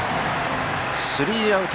スリーアウト。